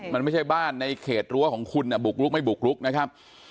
มันไม่ใช่บ้านในเขตรั้วของคุณบุกลุกไม่บุกลุกนะครับ